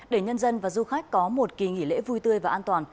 để nhân dân và du khách có một kỳ nghỉ lễ vui tươi và an toàn